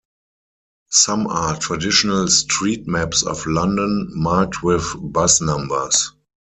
Some are traditional street maps of London marked with bus numbers.